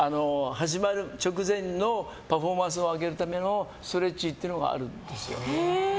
始まる直前のパフォーマンスを上げるためのストレッチがあるんですよ。